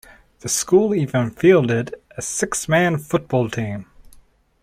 The school even fielded a six-man football team.